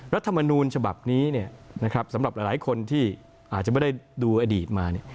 รัฐมนูลฉบับนี้สำหรับหลายคนที่อาจจะไม่ได้ดูอดีตมา